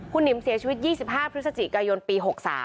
คุณหนิมเสียชีวิต๒๕พฤศจิกายนปี๖๓